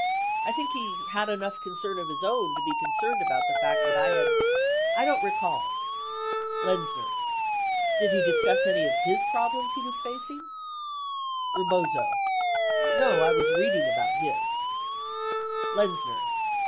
I think he had enough concern of his own to be concerned about the fact that I had I don't recall. Lenzner. Did he discuss any of his problems he w T as facing? Rebozo. No ; I was reading about his. Lenzner.